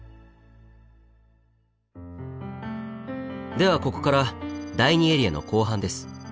ではここから第２エリアの後半です。